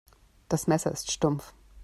Das Messer ist stumpf.